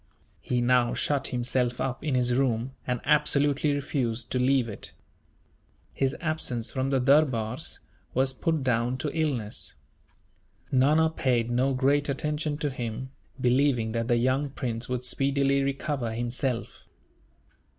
He now shut himself up in his room, and absolutely refused to leave it. His absence from the durbars was put down to illness. Nana paid no great attention to him, believing that the young prince would speedily recover himself.